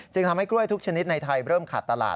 ทำให้กล้วยทุกชนิดในไทยเริ่มขาดตลาด